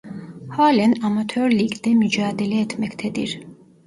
Hâlen Amatör Lig'de mücadele etmektedir.